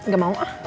gak mau ah